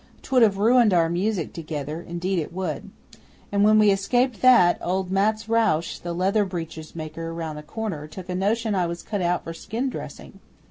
'Twould have ruined our music together, indeed it would. And when we escaped that, old Mattes Roush, the leather breeches maker round the corner, took a notion I was cut out for skin dressing.